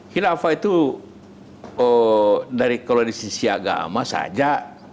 khilafah itu kalau di sisi agama saja